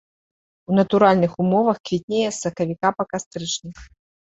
У натуральных умовах квітнее з сакавіка па кастрычнік.